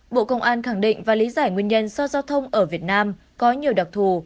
bộ công an khẳng định và lý giải nguyên nhân do giao thông ở việt nam có nhiều đặc thù